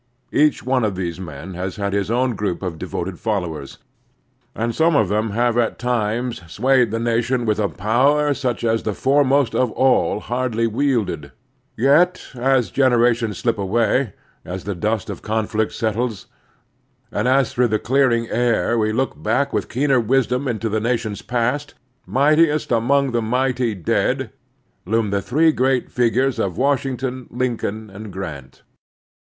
Each one of these men has had his own group of devoted followers, and some of them have at times swayed the nation with a power such as the foremost of all hardly wielded. Yet as the generations slip away, as the dust of conflict settles, and as through the clearing air we look back with keener wisdom into the nation's past, mightiest among the mighty dead loom the three great figures of Washington, Lincoln, and Grant.